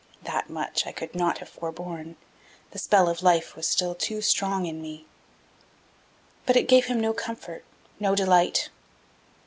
That much I could not have forborne; the spell of life was still too strong in me. But it gave him no comfort, no delight.